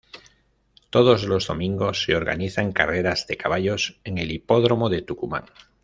Todos los domingos se organizan carreras de caballos en el Hipódromo de Tucumán.